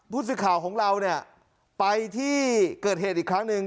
ผู้สื่อข่าวของเราเนี่ยไปที่เกิดเหตุอีกครั้งหนึ่ง